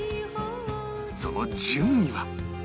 その順位は？